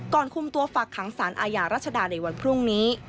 คุมตัวฝากขังสารอาญารัชดาในวันพรุ่งนี้